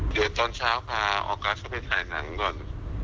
เดี๋ยวตอนเช้าพาออกัสเข้าไปถ่ายหนังก่อน